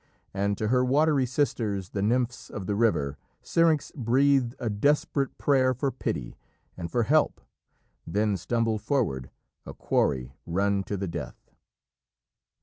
And to her "watery sisters" the nymphs of the river, Syrinx breathed a desperate prayer for pity and for help, then stumbled forward, a quarry run to the death.